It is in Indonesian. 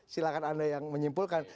silahkan anda yang menyimpulkan